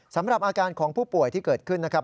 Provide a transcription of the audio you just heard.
สำหรับอาการของผู้ป่วยที่เกิดขึ้นนะครับ